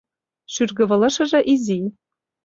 Шӱргывылышыже изи...